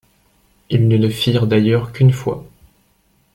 Ils ne le firent d'ailleurs qu'une fois.